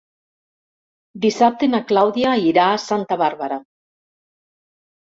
Dissabte na Clàudia irà a Santa Bàrbara.